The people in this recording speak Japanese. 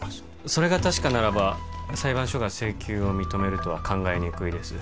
それが確かならば裁判所が請求を認めるとは考えにくいです